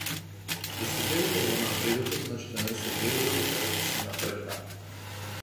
Да се верува во напредокот значи да не се верува дека веќе сме напреднале.